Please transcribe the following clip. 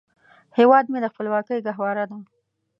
هیواد مې د خپلواکۍ ګهواره ده